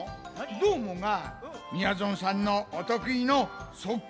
どーもがみやぞんさんのおとくいのそっ